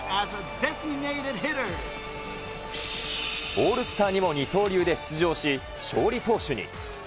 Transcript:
オールスターにも二刀流で出場し、勝利投手に。